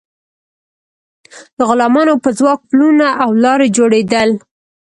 د غلامانو په ځواک پلونه او لارې جوړیدل.